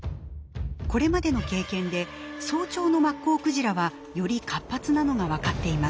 これまでの経験で早朝のマッコウクジラはより活発なのが分かっています。